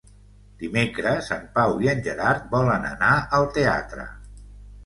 Dimecres en Pau i en Gerard volen anar al teatre.